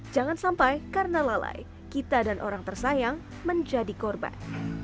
jangan sampai karena lalai kita dan orang tersayang menjadi korban